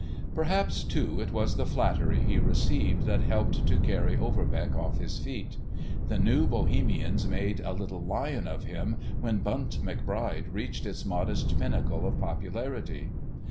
Perhaps, too, it was the flattery he received that helped to carry Overbeck off his feet. The New Bohemians made a little lion of him when "Bunt McBride" reached its modest pinnacle of popularity.